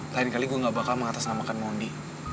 lain kali gue gak bakal mengatasnamakan mondi